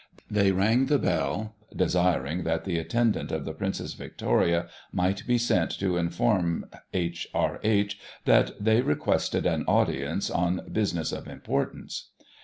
They rang the bell, desiring that the attendant of the Princess Victoria might be sent to inform H.R.H. that they requested an audience on business of importance.